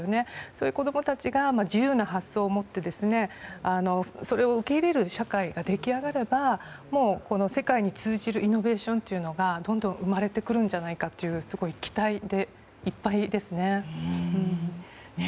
そういう子供たちが自由な発想を持ってそれを受け入れる社会が出来上がれば世界に通じるイノベーションというのがどんどん生まれてくるんじゃないかというすごい、期待でいっぱいですね。